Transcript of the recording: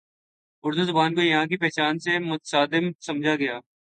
اردو زبان کو یہاں کی پہچان سے متصادم سمجھا گیا